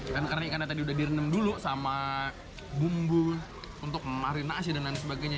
dan karena ikannya tadi udah direnem dulu sama bumbu untuk marina dan sebagainya